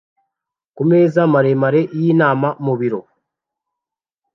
Ku meza maremare yinama mu biro